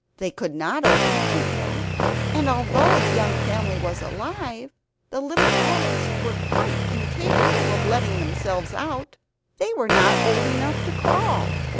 They could not open the window; and although the young family was alive the little rabbits were quite incapable of letting themselves out; they were not old enough to crawl.